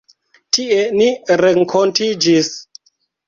Tie ni renkontiĝis.